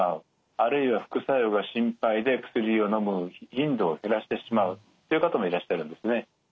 あるいは副作用が心配で薬をのむ頻度を減らしてしまうという方もいらっしゃるんですね。